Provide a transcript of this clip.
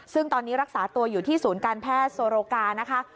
ซึ่งตอนนี้รักษาตัวอยู่ที่ศูนย์การแพทย์โซโรกานะคะ